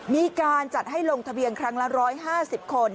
มีการจัดให้ลงทะเบียนครั้งละ๑๕๐คน